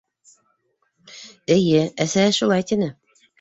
Эйе, әсәһе шулай тине.